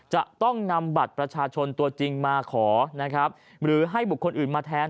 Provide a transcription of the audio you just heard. จะต้องนำบัตรประชาชนตัวจริงมาขอนะครับหรือให้บุคคลอื่นมาแทน